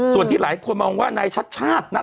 ส่วนที่หลายคนมองว่านายชัดชาตินั้น